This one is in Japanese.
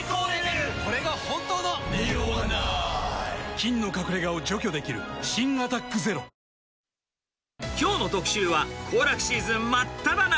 菌の隠れ家を除去できる新「アタックＺＥＲＯ」きょうの特集は、行楽シーズン真っただ中。